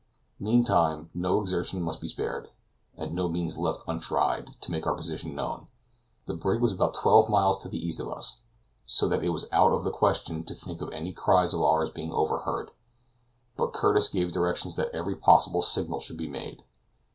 Meantime, no exertion must be spared, and no means left untried, to make our position known. The brig was about twelve miles to the east of us, so that it was out of the question to think of any cries of ours being overheard; but Curtis gave directions that every possible signal should be made.